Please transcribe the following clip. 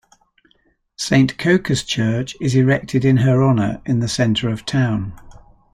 Saint Coca's Church is erected in her honour in the centre of town.